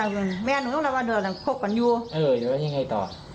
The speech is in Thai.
แล้วยังไงต่อ